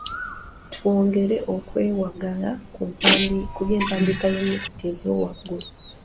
Twongere okwewagala ku by'empandiika y'ennyukuta ezo waggulu.